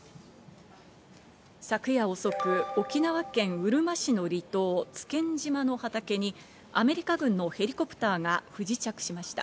昨夜遅く沖縄県うるま市の離島、津堅島の畑にアメリカ軍のヘリコプターが不時着しました。